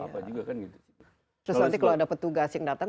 terus nanti kalau ada petugas yang datang